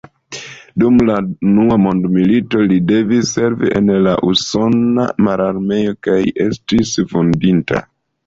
Dum la Unua Mondmilito li devis servi en la usona mararmeo kaj estis vundita.